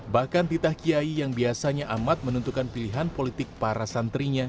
bahkan titah kiai yang biasanya amat menentukan pilihan politik para santrinya